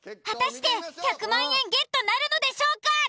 果たして１００万円ゲットなるのでしょうか。